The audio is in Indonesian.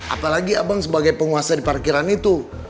apalagi abang sebagai penguasa di parkiran itu